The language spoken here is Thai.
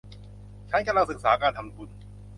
ฉันกำลังศึกษาการทำบุญ